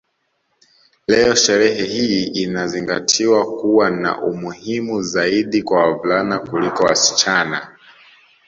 Leo sherehe hii inazingatiwa kuwa na umuhimu zaidi kwa wavulana kuliko wasichana